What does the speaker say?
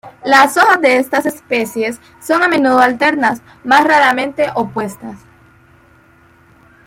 Las hojas de estas especies son a menudo alternas, más raramente opuestas.